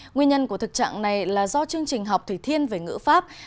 nguyên nhân của thực trạng này là do chương trình học thủy thiên về ngữ pháp